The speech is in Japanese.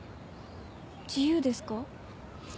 自由ですか？